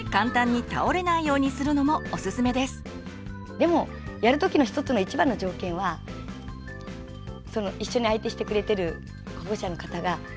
でもやる時の一つの一番の条件は一緒に相手してくれてる保護者の方が楽しくやることですね。